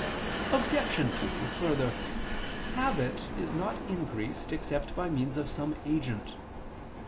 Obj. 2: Further, habit is not increased except by means of some agent.